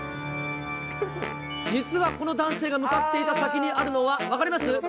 実はこの男性が向かっていた先にあるのは分かります？